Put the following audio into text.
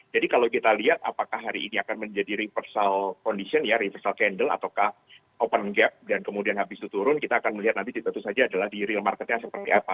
jadi kalau kita lihat apakah hari ini akan menjadi reversal condition ya reversal candle ataukah open gap dan kemudian habis itu turun kita akan melihat nanti tentu saja adalah di real marketnya seperti apa